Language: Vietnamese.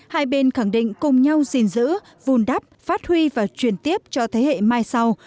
hai bên khẳng định cùng nhau gìn giữ vùn đắp phát huy và truyền tiếp cho thế hệ mai sau